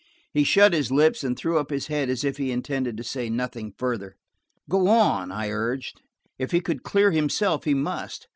He shut his lips and threw up his head as if he intended to say nothing further. "Go on," I urged. If he could clear himself he must.